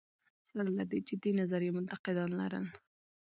سره له دې چې دې نظریې منتقدان لرل.